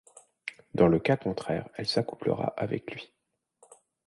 Dans le cas contraire, elle s'accouplera avec lui.